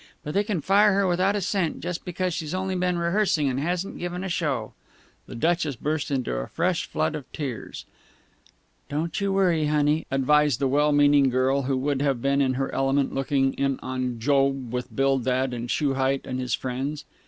But they can fire her without a cent just because she's only been rehearsing and hasn't given a show!" The Duchess burst into fresh flood of tears. "Don't you worry, honey!" advised the well meaning girl who would have been in her element looking in on Job with Bildad the Shuhite and his friends.